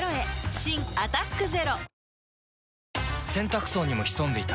新「アタックＺＥＲＯ」洗濯槽にも潜んでいた。